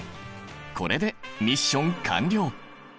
これでミッション完了。